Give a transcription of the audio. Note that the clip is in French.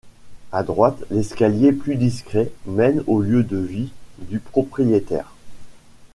À droite, l'escalier plus discret mène au lieu de vie du propriétaire.